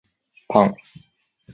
パン